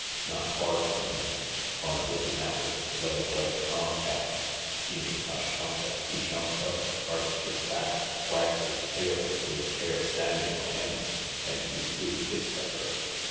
Not far from him, on a little mattress, lay a white tom cat; seeing Kashtanka, he jumped up, arched his back, wagged his tail with his hair standing on end and he, too, hissed at her.